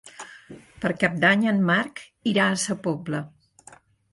Per Cap d'Any en Marc irà a Sa Pobla.